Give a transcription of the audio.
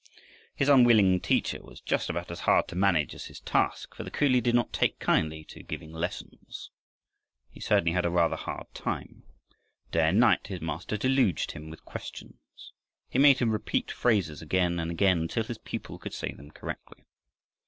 His unwilling teacher was just about as hard to manage as his task, for the coolie did not take kindly to giving lessons. He certainly had a rather hard time. Day and night his master deluged him with questions. He made him repeat phrases again and again until his pupil could say them correctly.